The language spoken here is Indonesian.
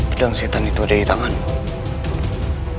pedang setan itu ada di tangan